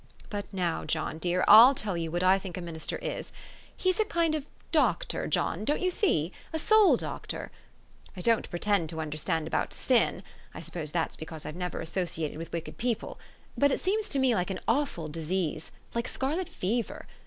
But now, John dear, I'll tell you what I think a minister is. He's a kind of a doctor, John, don't you see ? a soul doctor. I don't pretend to understand about sin (I suppose 288 THE STORY OF AVIS. that's because I've never associated with wicked peo ple) ; but it seems to me like an awful disease, like scarlet fever.